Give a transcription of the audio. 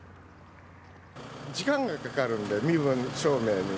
時間がかかるんで、身分証明に。